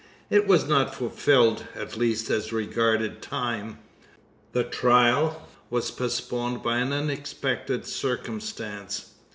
It was not fulfilled, at least as regarded time. The trial was postponed by an unexpected circumstance.